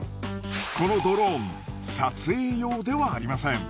このドローン撮影用ではありません。